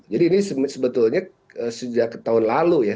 jadi ini sebetulnya sejak tahun lalu ya